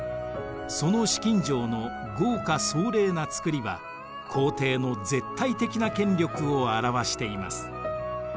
その紫禁城の豪華壮麗な造りは皇帝の絶対的な権力を表しています。